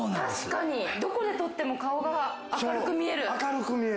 どこで撮っても顔が明るく見える。